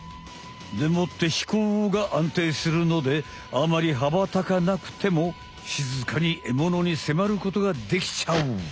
でもって飛行があんていするのであまりはばたかなくてもしずかにエモノにせまることができちゃう。